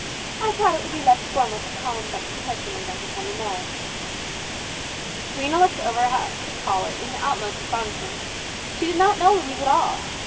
" I thought it would be less formal to call and invite you personally than to send a note." Rhena looked over at her caller in the utmost astonishment. She did not know Louise at all.